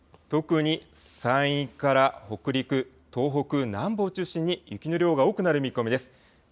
特に山陰から北陸、東北南部を中心に雪の量が多くなる見込みです。